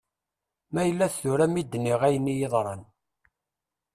Ma yella d tura mi d-nniɣ ayen iyi-yeḍran.